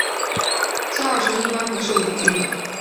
偕二醇一般是不稳定的。